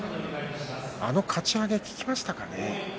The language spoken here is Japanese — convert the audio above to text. あのかち上げが効きましたかね。